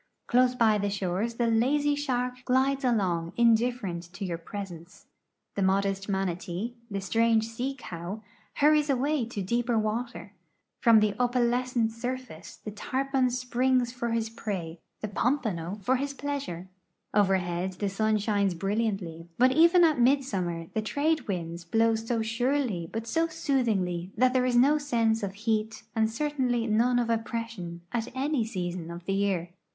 Close by the shores the lazy shark glides along indifferent to j'our presence. The modest manatee, the strange sea cow, hurries away to dee})er water. From the opalescent surface the tarpon springs for his prey, the pompano for his pleasure. Overhead the sun shines brilliantly, but even at midsummer the trade winds blowso surely but so soothingly that there is no sense of heat and certainly none of oppression at any season of the year.